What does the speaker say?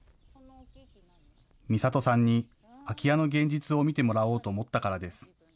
みさとさんに空き家の現実を見てもらおうと思ったからです。